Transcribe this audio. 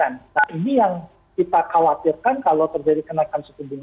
nah ini yang kita khawatirkan kalau terjadi kenaikan suku bunga